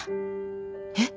えっ？